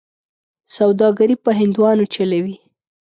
سوداګري په هندوانو چلوي.